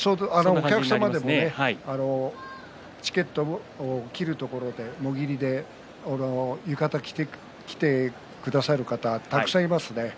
お客様でもチケットを切るところもぎりで、浴衣を着てくださる方たくさんいますね。